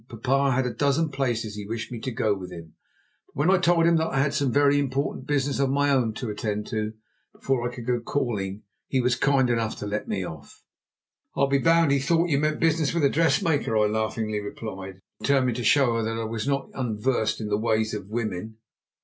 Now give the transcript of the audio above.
Papa had a dozen places he wished me to go to with him. But when I told him that I had some very important business of my own to attend to before I could go calling, he was kind enough to let me off." "I'll be bound he thought you meant business with a dressmaker," I laughingly replied, determined to show her that I was not unversed in the ways of women.